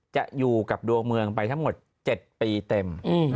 จะอยู่กับดวงเมืองไปทั้งหมด๗ปีเต็ม